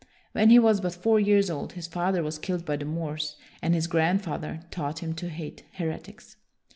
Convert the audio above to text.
When he was but four years old, his father was killed by the Moors, and his grandfather taught him to hate heretics.